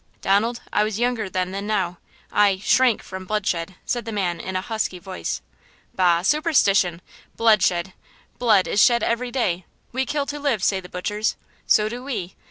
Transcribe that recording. "Donald, I was younger then than now. I–shrank from bloodshed," said the man in a husky voice. "Bah! superstition! Bloodshed–blood is shed every day! 'We kill to live! ' say the butchers. So do we.